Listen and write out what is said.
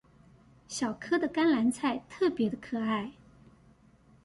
小顆的甘藍菜特別的可愛